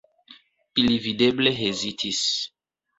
Ili videble hezitis.